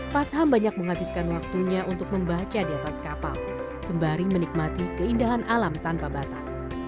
pas ham banyak menghabiskan waktunya untuk membaca di atas kapal sembari menikmati keindahan alam tanpa batas